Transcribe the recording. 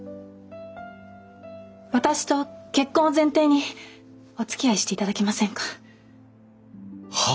私と結婚を前提におつきあいしていただけませんか？は？